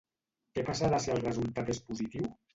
Què passarà si el resultat és positiu?